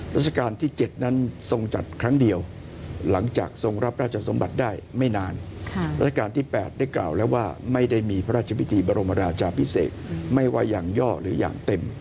และการที่แปดได้กล่าวแล้วว่าไม่ได้มีพระราชพิธีบรรมราชาพิเศษไม่ว่าอย่างย่อหรืออย่างเต็ม